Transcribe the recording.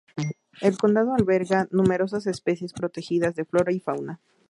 El condado alberga numerosas especies protegidas de flora y fauna.